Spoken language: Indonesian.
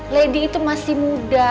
lady itu masih muda